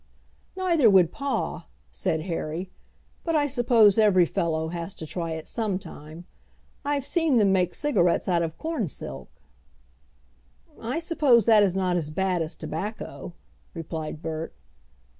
"Neither would pa," said Harry, "but I suppose every fellow has to try it some time. I've seen them make cigarettes out of corn silk." "I suppose that is not as bad as tobacco," replied Bert.